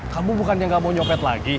kamu bukannya nggak mau nyopet